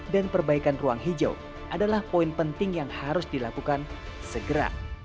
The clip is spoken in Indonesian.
dan perbaikan ruang hijau adalah poin penting yang harus dilakukan segera